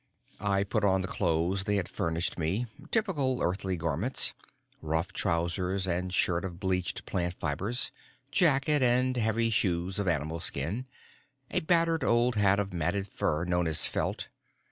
I put on the clothes they had furnished me, typical Earthly garments rough trousers and shirt of bleached plant fibers, jacket and heavy shoes of animal skin, a battered old hat of matted fur known as felt.